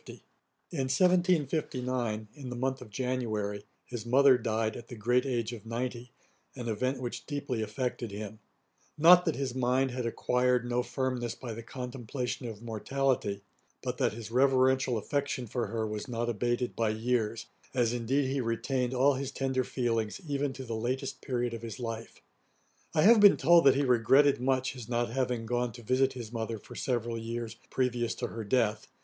] 1759: ÆTAT. 50. In 1759, in the month of January, his mother died at the great age of ninety, an event which deeply affected him; not that 'his mind had acquired no firmness by the contemplation of mortality;' but that his reverential affection for her was not abated by years, as indeed he retained all his tender feelings even to the latest period of his life. I have been told that he regretted much his not having gone to visit his mother for several years, previous to her death.